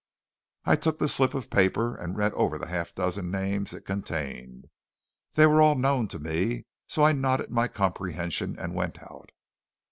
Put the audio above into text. I took the slip of paper and read over the half dozen names it contained. They were all known to me; so I nodded my comprehension and went out.